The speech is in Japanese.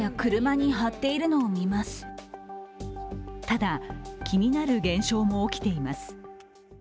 ただ、気になる現象も起きています。